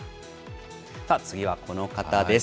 次はこの方です。